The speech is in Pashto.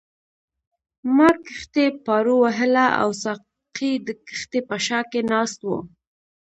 ما کښتۍ پارو وهله او ساقي د کښتۍ په شا کې ناست وو.